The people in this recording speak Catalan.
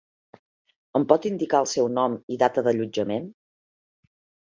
Em pot indicar el seu nom i data d'allotjament?